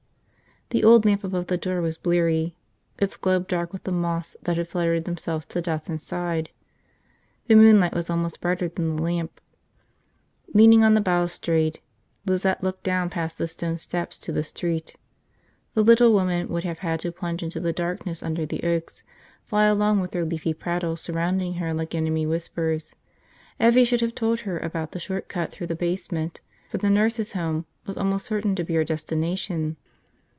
The old lamp above the door was bleary, its globe dark with the moths that had fluttered themselves to death inside. The moonlight was almost brighter than the lamp. Leaning on the balustrade, Lizette looked down past the stone steps to the street. The little woman would have had to plunge into the darkness under the oaks, fly along with their leafy prattle surrounding her like enemy whispers. Evvie should have told her about the short cut through the basement, for the nurses' home was almost certain to be her destination.